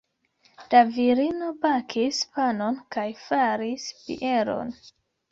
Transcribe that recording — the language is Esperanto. La virino bakis panon kaj faris bieron.